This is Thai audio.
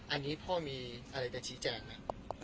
อันนี้พ่อมีอะไรจะชี้แจงไหม